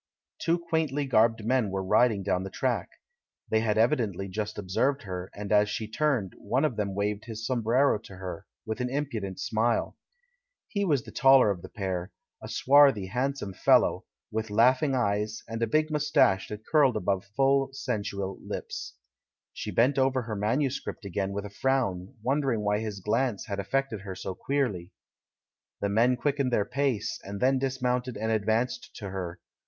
Two quaintly garbed men were riding down the track. They had evidently just observed her, and as she turned, one of them waved his sombrero to her, with an impudent smile. He was the taller of the pair, a swarthy, handsome fellow, with laughing eyes, and a big moustache that curled above full, sensual lips. She bent over her manuscript again with a frown, wondering why his glance had af fected her so queerly. The men quickened their pace, and then dis mounted and advanced to her.